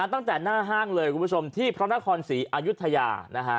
ตั้งแต่หน้าห้างเลยคุณผู้ชมที่พระนครศรีอายุทยา